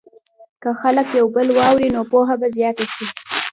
که خلک یو بل واوري، نو پوهه به زیاته شي.